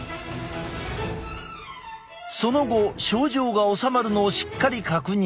その後症状がおさまるのをしっかり確認。